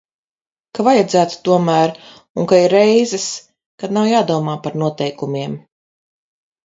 Ka vajadzētu tomēr un ka ir reizes, kad nav jādomā par noteikumiem.